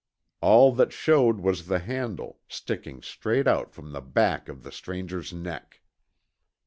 All that showed was the handle, sticking straight out from the back of the stranger's neck.